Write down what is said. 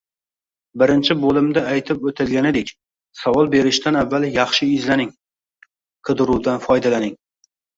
Birinchi bo’limda aytib o’tilganidek, savol berishdan avval yaxshi izlaning, qidiruvdan foydalaning